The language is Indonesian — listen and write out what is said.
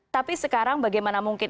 tapi sekarang bagaimana mungkin